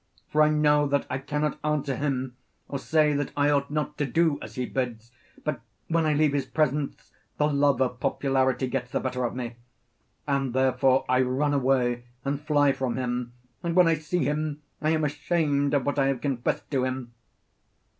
For I know that I cannot answer him or say that I ought not to do as he bids, but when I leave his presence the love of popularity gets the better of me. And therefore I run away and fly from him, and when I see him I am ashamed of what I have confessed to him.